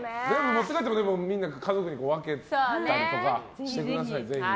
持って帰って家族に分けたりとかしてください。